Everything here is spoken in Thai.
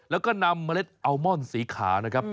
แล้วก็นำเมล็ดอัลมอนสีขาวนะครับ